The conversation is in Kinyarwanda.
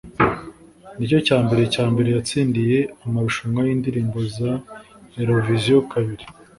Nicyo Cyambere Cyambere Yatsindiye Amarushanwa Yindirimbo za Eurovision Kabiri